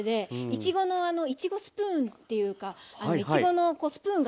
いちごのいちごスープンっていうかあのいちごのこうスプーンが。